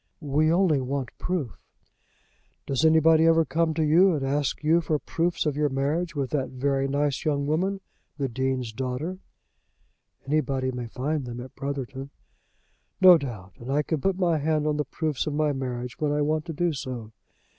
"We only want proof." "Does anybody ever come to you and ask you for proofs of your marriage with that very nice young woman, the Dean's daughter?" "Anybody may find them at Brotherton." "No doubt. And I can put my hand on the proofs of my marriage when I want to do so.